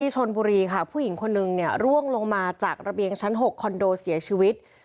ชนบุรีค่ะผู้หญิงคนนึงเนี่ยร่วงลงมาจากระเบียงชั้น๖คอนโดเสียชีวิต